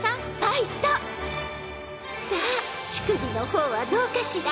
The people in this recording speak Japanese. ［さあ乳首の方はどうかしら？］